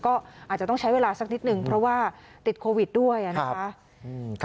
ก็อาจจะต้องใช้เวลาสักนิดนึงเพราะว่าติดโควิดด้วยนะคะ